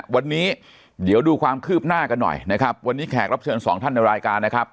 วันนี้เดี๋ยวดูความคืบหน้ากันหน่อยนะครับวันนี้แขกรับเชิญสองท่านในรายการนะครับ